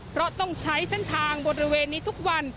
เพราะต้องใช้เส้นทางบริเวณนี้ทุกวัน